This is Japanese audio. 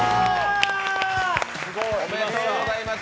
おめでとうございます。